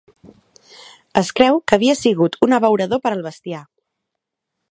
Es creu que havia sigut un abeurador per al bestiar.